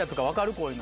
こういうの。